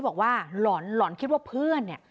บอกว่าหลอนคิดว่าเพื่อน